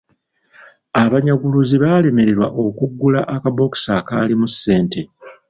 Abanyaguluzi baalemererwa okuggula akabokisi akaalimu ssente.